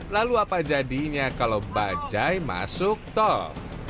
lalu apa jadinya kalau bajaj masuk tol